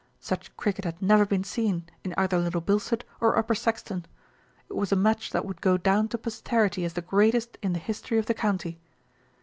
Such cricket had never been seen in either Little Bilstead or Upper Saxton. It was a match that would go down to posterity as the greatest in the history of the county.